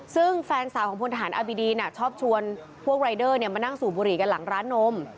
ซึ่งแฟนสาวของพลทหารอบิดีนชอบชวนพวกรายเดอร์มานั่งสูบบุหรี่กันหลังร้านนม